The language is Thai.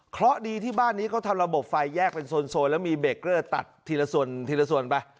เพราะดีที่บ้านนี้เขาทำระบบไฟแยกเป็นโซนแล้วมีเบรกเกอร์ตัดทีละส่วนทีละส่วนไป